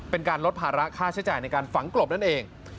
เป็นการลดภาระค่าใช้จ่ายในการฝังกลบนั่นเอง